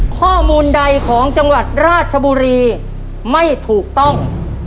ข้อมูลใดของจังหวัดราชบุรีไม่ถูกต้อง